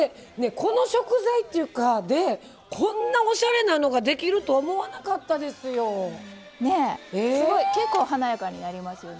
この食材でこんな、おしゃれなのができると結構華やかになりますよね。